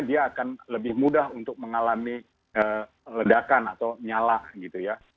dia akan lebih mudah untuk mengalami ledakan atau nyala gitu ya